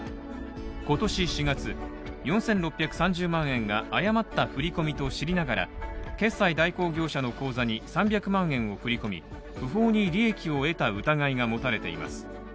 今年４月、４６３０万円が誤った振り込みと知りながら決済代行業者の口座に３００万円を振り込み、不法に利益を得た疑いが持たれています。